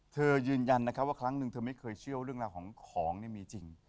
เธอยืนยันว่าครั้งหนึ่งไม่เคยเชื่อซึ่งเรื่องของมีจริง